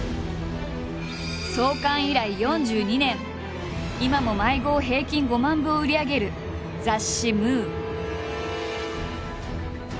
創刊以来４２年今も毎号平均５万部を売り上げる雑誌「ムー」。